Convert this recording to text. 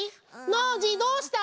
ノージーどうしたの？